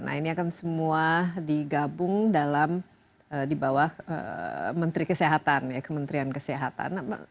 nah ini akan semua digabung dalam di bawah menteri kesehatan ya kementerian kesehatan